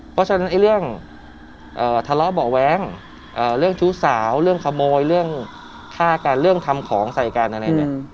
เพราะฉะนั้นเรื่องทะเลาะเบาะแว้งเรื่องชู้สาวเรื่องขโมยเรื่องฆ่ากันเรื่องทำของใส่กันอะไรเนี่ย